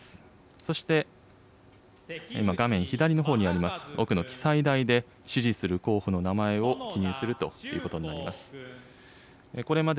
そして今、画面左のほうにあります、奥の記載台で、支持する候補の名前を記入するということになります。